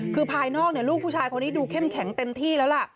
คือภายนอกลูกผู้ชายคนนี้ดูเข้มแข็งเต็มที่แล้วล่ะ